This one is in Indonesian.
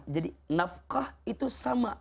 jadi nafkah itu sama